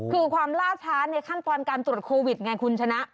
คือความล่าช้าในขั้นตอนการตรวจโควิดไงคุณชนะ